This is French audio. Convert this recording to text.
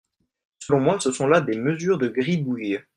Selon moi, ce sont là des mesures de gribouille.